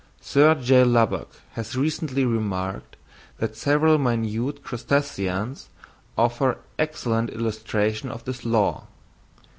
Sir J. Lubbock has recently remarked, that several minute crustaceans offer excellent illustrations of this law.